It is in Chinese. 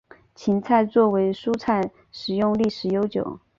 芹菜作为蔬菜食用历史悠久。